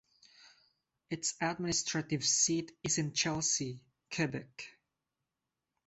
Its administrative seat is in Chelsea, Quebec.